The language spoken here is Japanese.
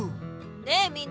ねえみんな。